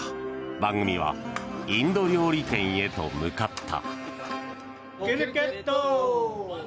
番組はインド料理店へと向かった。